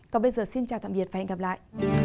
còn bây giờ xin chào tạm biệt và hẹn gặp lại